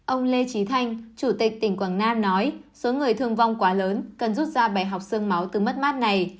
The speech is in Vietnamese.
ông lê trí thanh chủ tịch tỉnh quảng nam nói số người thương vong quá lớn cần rút ra bài học sương máu từ mất mát này